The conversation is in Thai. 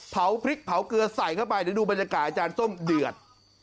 เผาพริกเผาเกลือใส่เข้าไปเดี๋ยวดูบรรยากาศอาจารย์ส้มเดือด